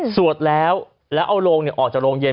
สวดแล้วแล้วเอาโรงออกจากโรงเย็น